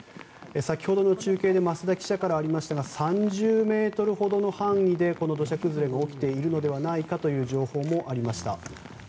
先ほどの中継で増田記者からありましたが３０ｍほどの範囲で土砂崩れが起きているのではという情報もありました。